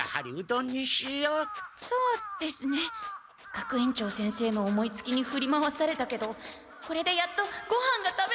学園長先生の思いつきにふり回されたけどこれでやっとごはんが食べられる！